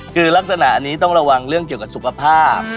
คือลักษณะอันนี้ต้องระวังเรื่องเกี่ยวกับสุขภาพ